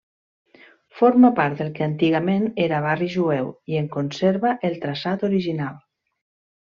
Forma part del que antigament era barri jueu i en conserva el traçat original.